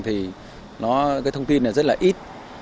thì nó cái thông tin là rất là ít